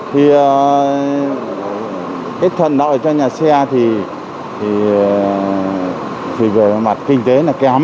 thì hết thuận nợ cho nhà xe thì về mặt kinh tế là kém